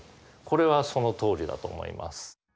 これはそのとおりだと思います。